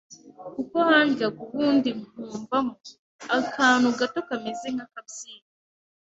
kuko handyaga ubundi nkumvamo akantu gato kameze nk’akabyimba,